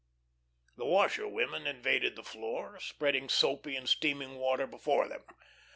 The washerwomen invaded the floor, spreading soapy and steaming water before them.